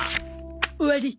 終わり。